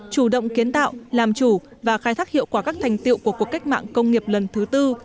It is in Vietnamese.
chủ động kiến tạo làm chủ và khai thác hiệu quả các thành tiệu của cuộc cách mạng công nghiệp lần thứ tư